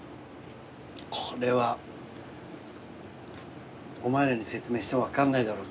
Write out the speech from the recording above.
これはお前らに説明しても分かんないだろうな。